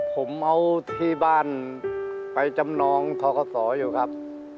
ผมเอาที่บ้านไปจำนองทกศอยู่ครับ